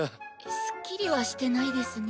すっきりはしてないですね。